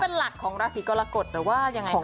เป็นหลักของราศีกรกฎหรือว่ายังไงคะ